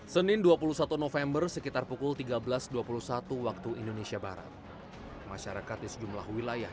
senin dua puluh satu november sekitar pukul tiga belas dua puluh satu waktu indonesia barat masyarakat di sejumlah wilayah